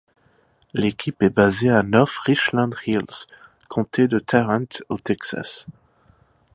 L'équipe est basée à North Richland Hills, Comté de Tarrant au Texas.